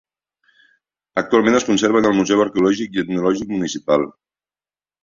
Actualment es conserva en el Museu Arqueològic i Etnològic Municipal.